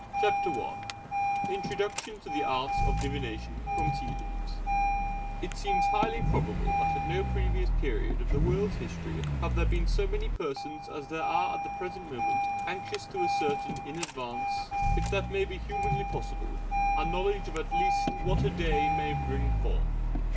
CHAPTER I INTRODUCTION TO THE ART OF DIVINATION FROM TEA LEAVES It seems highly probable that at no previous period of the world's history have there been so many persons as there are at the present moment anxious to ascertain in advance, if that be humanly possible, a knowledge of at least 'what a day may bring forth.'